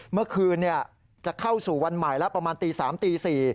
เมื่อคืนจะเข้าสู่วันใหม่แล้วประมาณตี๓ตี๔